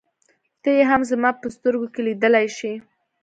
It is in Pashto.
ته يې هم زما په سترګو کې لیدلای شې.